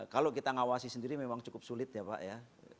kalau kita ngawasi sendiri memang cukup sulit ya pak ya